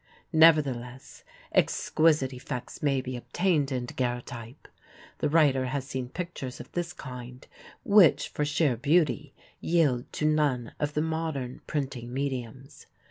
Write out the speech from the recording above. Nevertheless, exquisite effects may be obtained in daguerreotype; the writer has seen pictures of this kind which for sheer beauty yield to none of the modern printing mediums.